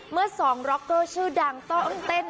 เมื่อสองร็อกเกอร์ชื่อดังต้องเต้น